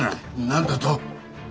何だと！？